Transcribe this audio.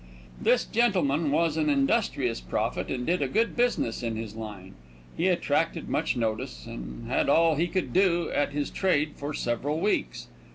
This gentleman was an industrious prophet and did a good business in his line. He attracted much notice, and had all he could do at his trade for several weeks.